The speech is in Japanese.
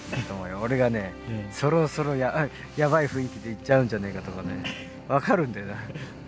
俺がねそろそろやばい雰囲気で行っちゃうんじゃねえかとかね分かるんだよ。